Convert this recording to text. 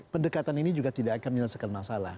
pendekatan ini juga tidak akan menyelesaikan masalah